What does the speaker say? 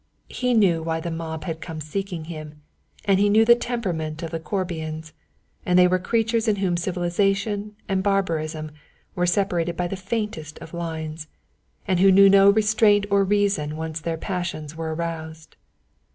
He knew why the mob had come seeking him, and he knew the temperament of the Corbians, that they were creatures in whom civilization and barbarism were separated by the faintest of lines, and who knew no restraint or reason once their passions were aroused.